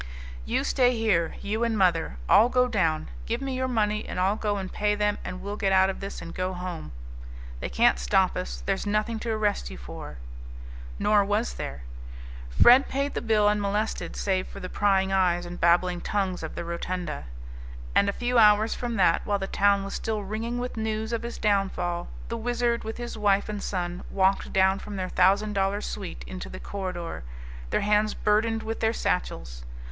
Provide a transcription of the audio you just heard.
"You stay here, you and mother. I'll go down. Give me your money and I'll go and pay them and we'll get out of this and go home. They can't stop us; there's nothing to arrest you for." Nor was there. Fred paid the bill unmolested, save for the prying eyes and babbling tongues of the rotunda. And a few hours from that, while the town was still ringing with news of his downfall, the Wizard with his wife and son walked down from their thousand dollar suite into the corridor, their hands burdened with their satchels.